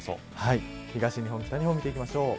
東日本、北日本見ていきましょう。